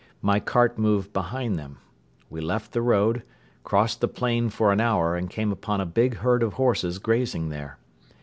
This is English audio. My cart moved behind them. We left the road, crossed the plain for an hour and came upon a big herd of horses grazing there.